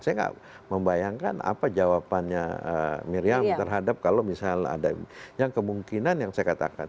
saya tidak membayangkan apa jawabannya miriam terhadap kalau misalnya ada kemungkinan yang saya katakan